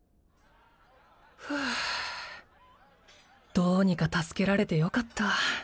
ふうどうにか助けられてよかった